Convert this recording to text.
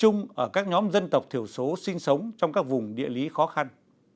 nhóm dân tộc thiểu số sinh sống trong các vùng địa lý khó khăn